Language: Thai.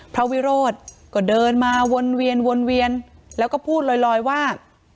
พระวิโรธก็เดินมาวนเวียนวนเวียนแล้วก็พูดลอยว่า